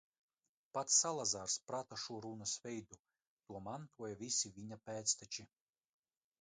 Pats Salazars prata šo runas veidu, to mantoja visi viņa pēcteči.